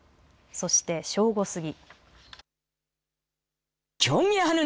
そして正午過ぎ。